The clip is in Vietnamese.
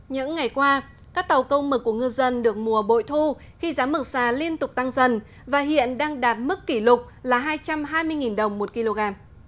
những ngày qua các tàu công mực của ngư dân được mùa bội thu khi giá mực xà liên tục tăng dần và hiện đang đạt mức kỷ lục là hai trăm hai mươi đồng một kg